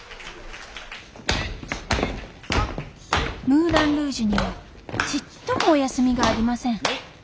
ムーラン・ルージュにはちっともお休みがありません。